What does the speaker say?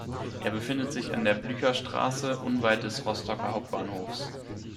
Er befindet sich an der Blücherstraße, unweit des Rostocker Hauptbahnhofs.